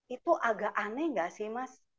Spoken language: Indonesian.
itu agak aneh nggak sih mas